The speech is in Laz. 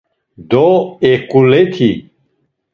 Do eǩuleti...